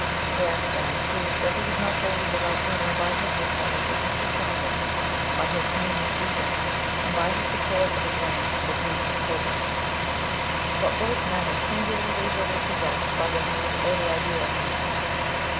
Gladstone proved that he was not wholly without humour by his reply to Mr. Chaplin, by his singing of " Doo dah," and by his support of a grant to the Duke of Coburg. But both men were singularly little possessed by the mood or the idea of humour.